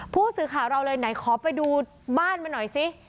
ผู้สื่อข่าวเราเลยไหนขอไปดูบ้านมาหน่อยสิ